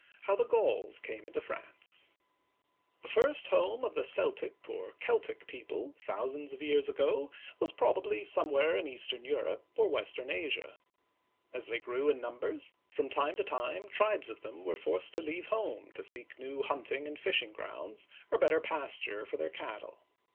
HOW THE GAULS CAME INTO FRANCE THE first home of the Celtic, or Keltic, people, thou sands of years ago, was probably somewhere in eastern Europe or western Asia. As they grew in num bers, from time to time tribes of them were forced to leave home to seek new hunting and fishing grounds, or better pasture for their cattle.